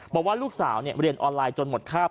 บอกว่าลูกสาวเรียนออนไลน์จนหมดคาบ